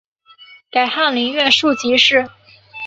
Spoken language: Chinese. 改翰林院庶吉士。